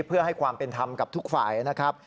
เพื่อให้ความเป็นธรรมกับทุกฝ่ายนะครับ